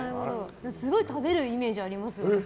すごい食べるイメージあります、私。